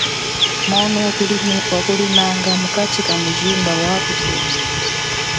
Mwono wakulinanga mukachi kamujimba wa kutoma.